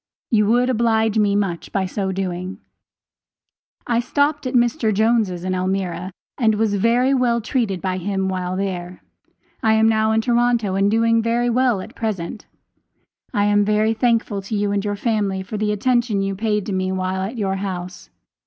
You would oblige me much by so doing. I stopped at Mr. Jones' in Elmira, and was very well treated by him while there. I am now in Toronto and doing very well at present. I am very thankful to you and your family for the attention you paid to me while at your house.